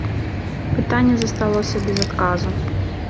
Пытанне засталося без адказу.